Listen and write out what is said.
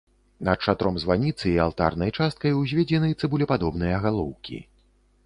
Над шатром званіцы і алтарнай часткай узведзены цыбулепадобныя галоўкі.